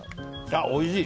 おいしい。